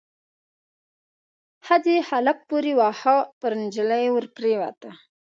ښځې هلک پوري واهه، پر نجلۍ ور پريوته.